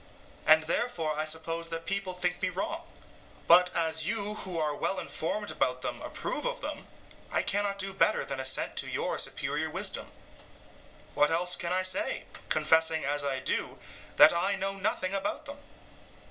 and therefore I suppose that people think me wrong. But, as you who are well informed about them approve of them, I cannot do better than assent to your superior wisdom. What else can I say, confessing as I do, that I know nothing about them?